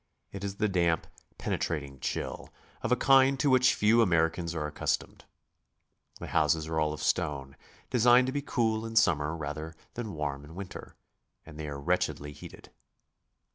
It is the damp, penetrating chill, of a kind to which few Americans are accustomed. The houses are all of stone, designed to be cool in summer rather than warm in winter, and they are wretchedly heated.